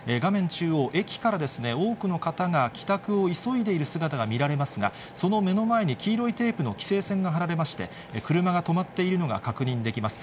中央、駅からですね、多くの方が帰宅を急いでいる姿が見られますが、その目の前に、黄色いテープの規制線が張られまして、車が止まっているのが確認できます。